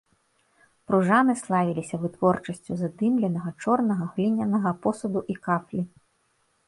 Пружаны славіліся вытворчасцю задымленага чорнага глінянага посуду і кафлі.